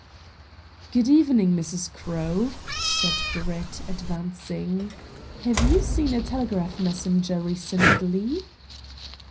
"Good evening, Mrs. Crowe," said Brett, advancing. "Have you seen a telegraph messenger recently?"